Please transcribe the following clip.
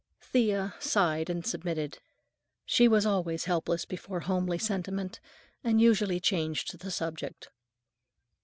Thea sighed and submitted. She was always helpless before homely sentiment and usually changed the subject.